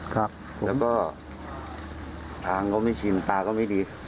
แล้วก็ทางก็ไม่ชินตาก็ไม่ดี